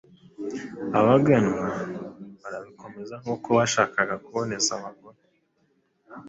Abaganwa barabikomeza kuko bashakaga kuzabona abagore